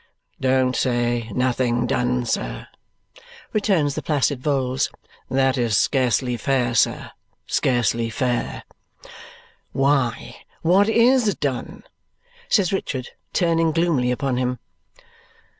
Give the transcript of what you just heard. "Don't say nothing done, sir," returns the placid Vholes. "That is scarcely fair, sir, scarcely fair!" "Why, what IS done?" says Richard, turning gloomily upon him.